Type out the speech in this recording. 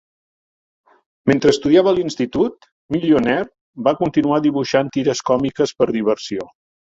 Mentre estudiava a l'institut, Millionaire va continuar dibuixant tires còmiques per diversió.